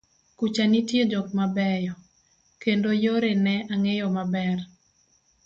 kucha nitie jok mabeyo, kendo yore ne ang'eyo maber